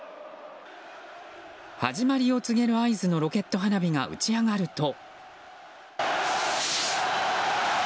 始まりを告げる合図のロケット花火が打ち上がると。